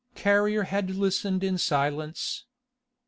Carrier had listened in silence.